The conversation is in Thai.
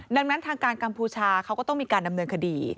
ดังนั้นทางการกัมพูชาเขาก็ต้องมีการดำเนินคดี